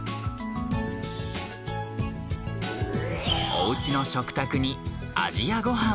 おうちの食卓に「アジアごはん」。